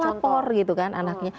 lapor gitu kan anaknya